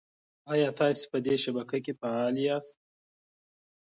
ایا تاسي په دې شبکه کې فعال یاست؟